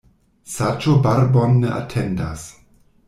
Saĝo barbon ne atendas.